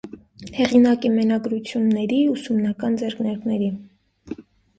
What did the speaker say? Հեղինակ է մենագրությունների, ուսումնական ձեռնարկների։